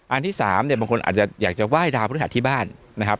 อันที่๓เนี่ยบางคนอาจจะอยากจะไหว้ดาวพฤหัสที่บ้านนะครับ